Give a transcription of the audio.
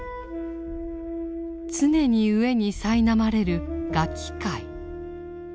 常に飢えにさいなまれる餓鬼界。